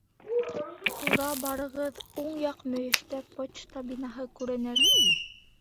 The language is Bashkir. Тура барығыҙ, ун яҡ мөйөштә почта бинаһы күренер.